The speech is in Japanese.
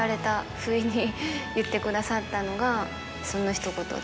不意に言ってくださったのがそのひと言で。